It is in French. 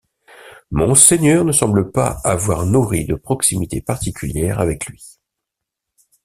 Monseigneur ne semble pas avoir nourri de proximité particulière avec lui.